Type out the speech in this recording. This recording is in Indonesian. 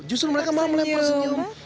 justru mereka malah melempar senyum